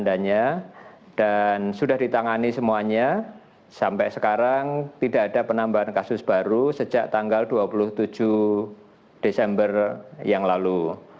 dan sudah ditangani semuanya sampai sekarang tidak ada penambahan kasus baru sejak tanggal dua puluh tujuh desember yang lalu